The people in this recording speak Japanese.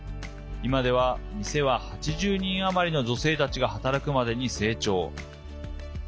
今では、店は８０人余りの女性たちが働くまでに成長。